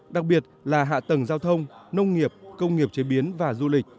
đặc biệt là hạ tầng giao thông nông nghiệp công nghiệp chế biến và du lịch